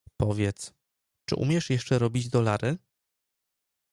"Powiedz, czy umiesz jeszcze robić dolary?"